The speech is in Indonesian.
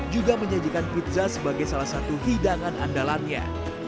juga menyajikan pizza sebagai salah satu hidangan andalannya